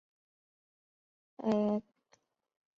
俄勒冈城级是美国海军的一个重巡洋舰舰级。